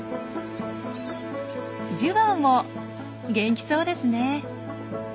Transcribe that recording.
ジュバオも元気そうですねえ。